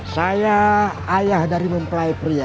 saya ayah dari mempelai pria